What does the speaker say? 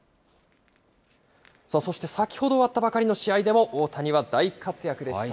そして、先ほど終わったばかりの試合でも、大谷は大活躍でした。